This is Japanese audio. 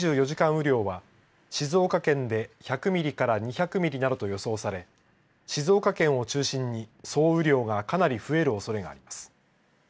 雨量は、静岡県で１００ミリから２００ミリなどと予想され静岡県を中心に総雨量がかなり増えるおそれがあります。